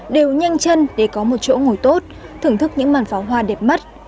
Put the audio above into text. đều nhanh chân để có một chỗ ngồi tốt thưởng thức những màn pháo hoa đẹp mắt